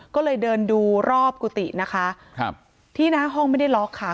ก็เลยเดินดูรอบกุฏินะคะครับที่หน้าห้องไม่ได้ล็อกค่ะ